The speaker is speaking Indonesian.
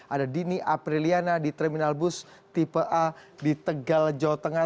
ada dini apriliana di terminal bus tipe a di tegal jawa tengah